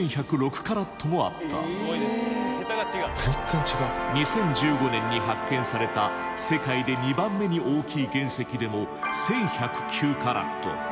その原石は２０１５年に発見された世界で２番目に大きい原石でも１，１０９カラット。